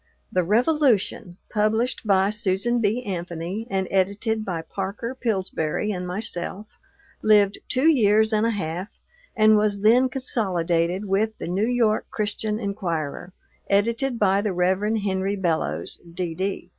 The Revolution, published by Susan B. Anthony and edited by Parker Pillsbury and myself, lived two years and a half and was then consolidated with the New York Christian Enquirer, edited by the Rev. Henry Bellows, D.D.